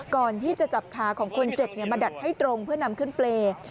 ก่อนที่จะจับขาของคนเจ็บมาดัดให้ตรงเพื่อนำขึ้นเปรย์